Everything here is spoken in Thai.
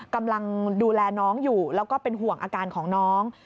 กำลังดูแลน้องอยู่แล้วก็เป็นห่วงอาการของน้อง